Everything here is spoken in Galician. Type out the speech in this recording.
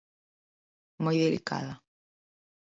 Moi delicada.